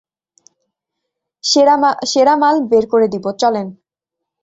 সেরা মাল বের করে দিব, চলেন।